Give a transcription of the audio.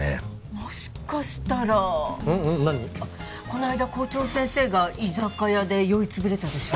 この間校長先生が居酒屋で酔い潰れたでしょ。